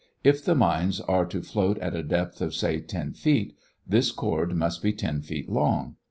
If the mines are to float at a depth of, say, ten feet, this cord must be ten feet long.